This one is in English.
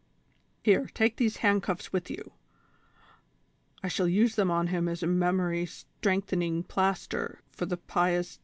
Here, take these handcuffs with you, I shall use them on him as a memory strengthening plaster for the pious